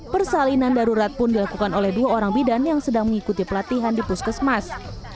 persalinan darurat pun dilakukan oleh dua orang bidan yang sedang mengikuti pelatihan di puskesmas